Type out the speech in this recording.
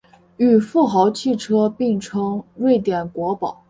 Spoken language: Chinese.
与富豪汽车并称瑞典国宝。